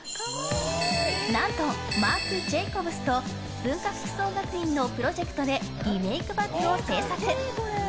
何と、マークジェイコブスと文化服装学院のプロジェクトでリメイクバッグを制作。